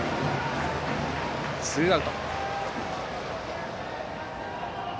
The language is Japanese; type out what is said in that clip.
ツーアウト。